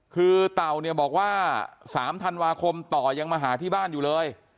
คือเต่าเนี่ยบอกว่า๓ธันวาคมต่อยังมาหาที่บ้านอยู่เลย